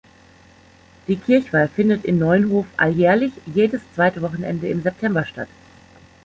Die Kirchweih findet in Neunhof alljährlich jedes zweite Wochenende im September statt.